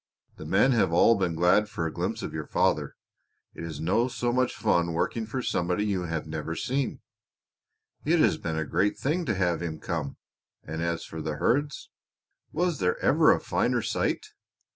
The men have all been glad for a glimpse of your father. It is no so much fun working for somebody you have never seen. It has been a great thing to have him come. And as for the herds was there ever a finer sight?"